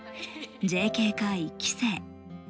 ＪＫ課１期生。